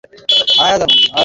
পাগল হয়ে গেছো না-কি?